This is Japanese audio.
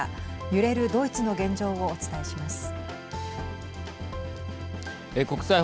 揺れるドイツの現状をお伝えします。